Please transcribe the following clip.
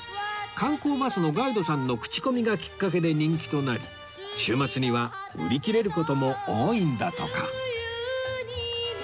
観光バスのガイドさんの口コミがきっかけで人気となり週末には売り切れる事も多いんだとか